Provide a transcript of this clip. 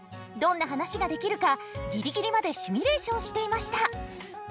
どんな話ができるかギリギリまでシミュレーションしていました。